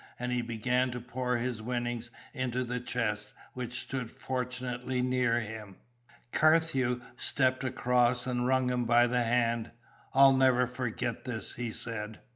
and he began to pour his winnings into the chest, which stood fortunately near him. Carthew stepped across and wrung him by the hand. "I'll never forget this," he said.